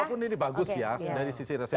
apapun ini bagus ya dari sisi rasional